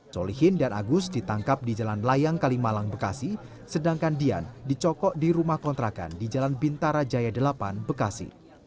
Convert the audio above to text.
solihin dan agus ditangkap di jalan layang kalimalang bekasi sedangkan dian dicokok di rumah kontrakan di jalan bintara jaya delapan bekasi